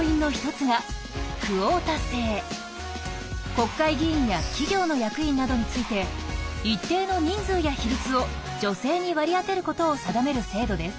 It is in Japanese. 国会議員や企業の役員などについて一定の人数や比率を女性に割り当てることを定める制度です。